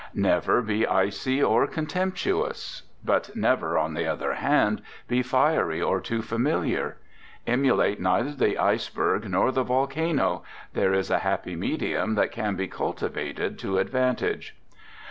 Never be icy or contemptuous; but never, on the other hand, be fiery or too familiar. Emulate neither the iceberg nor the volcano; there is a happy medium that can be cultivated to advantage.